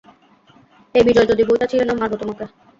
এই বিজয়, যদি বইটা ছিড়ে না, মারবো তোমাকে।